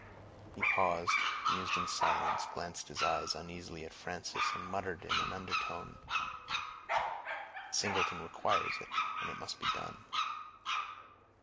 He paused, mused in silence, glanced his eyes uneasily at Frances, and muttered in an undertone, "Singleton requires it, and it must be done."